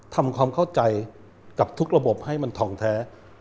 ทำความเข้าใจกับทุกระบบให้มันทองแท้